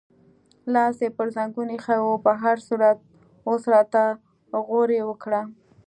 لاس یې پر زنګون ایښی و، په هر صورت اوس راته غورې وکړه.